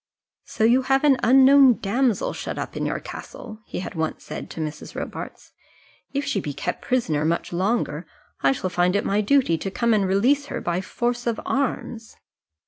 "So you have an unknown damsel shut up in your castle," he had once said to Mrs. Robarts. "If she be kept a prisoner much longer, I shall find it my duty to come and release her by force of arms."